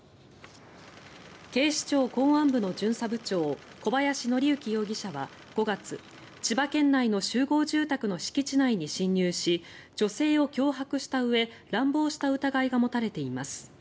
警視庁公安部の巡査部長小林徳之容疑者は５月千葉県内の集合住宅の敷地内に侵入し女性を脅迫したうえ乱暴した疑いが持たれています。